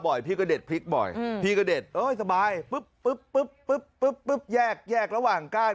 บ่อยพี่ก็เด็ดพลิกบ่อยพี่ก็เด็ดโอ้ยสบายแยกระหว่างก้าน